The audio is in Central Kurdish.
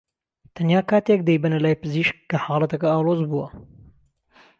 تەنیا کاتێک دەیبەنە لای پزیشک کە حاڵەتەکە ئاڵۆز بووە